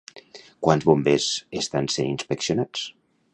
Quants bombers estan sent inspeccionats?